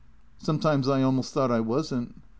Sometimes I almost thought I wasn't.